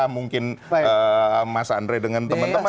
mungkin mas andre dengan teman teman